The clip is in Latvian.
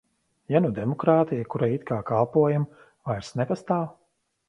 Ja nu demokrātija, kurai it kā kalpojam, vairs nepastāv?